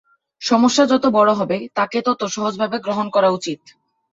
সমস্যা যত বড় হবে, তাকে তাত সহজভাবে গ্রহণ করা উচিত।